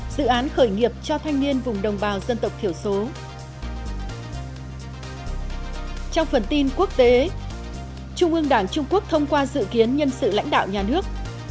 trung ương đảng trung quốc thông qua dự kiến nhân sự lãnh đạo nhà nước